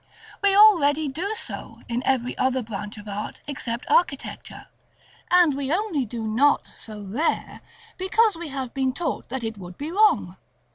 We already do so, in every other branch of art except architecture, and we only do not so there because we have been taught that it would be wrong.